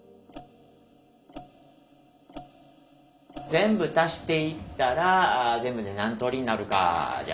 全部足していったら全部で何通りになるかじゃあ森澤。